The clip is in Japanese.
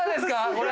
これ。